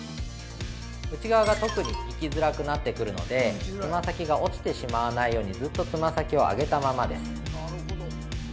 内側が特に行きづらくなってくるので、爪先が落ちてしまわないようにずっと爪先を上げたままです。